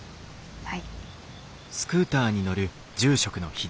はい。